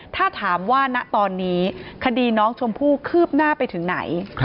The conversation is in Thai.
ถ้าถามว่าณตอนนี้คดีน้องชมพู่คืบหน้าไปถึงไหน